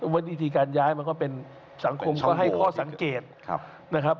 วิธีการย้ายมันก็เป็นสังคมก็ให้ข้อสังเกตนะครับ